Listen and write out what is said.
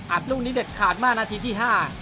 อาบรุ่นนี้เด็ดขาดมานาทีที่๕